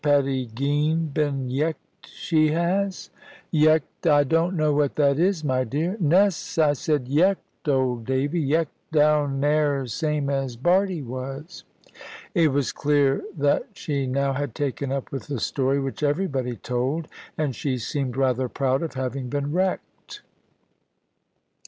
Patty Geen been yecked, she has." "'Yecked!' I don't know what that is, my dear." "Ness, I said, 'yecked,' old Davy; yecked down nare, same as Bardie was." It was clear that she now had taken up with the story which everybody told; and she seemed rather proud of having been wrecked.